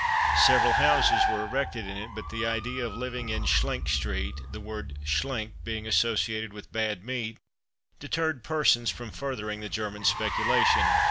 Several houses were erected in it, but the idea of living in "Schlink" street the word "Schlink" being associated with bad meat deterred persons from furthering the German's speculation.